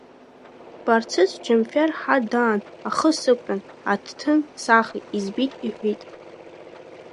Барцыц Џьамфер ҳа даан, ахы сықәтәан аҭҭын сахет, избит иҳәит.